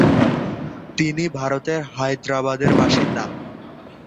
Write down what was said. তিনি ভারতের হায়দ্রাবাদের বাসিন্দা।